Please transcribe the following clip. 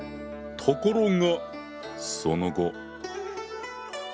ところがその後。